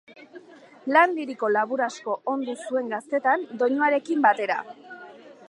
Lan liriko labur asko ondu zuen gaztetan, doinuarekin batera.